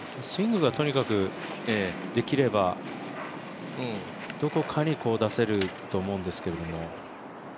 スイングがとにかくできれば、どこかに出せると思うんですけ